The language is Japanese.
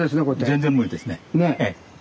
全然無理ですねええ。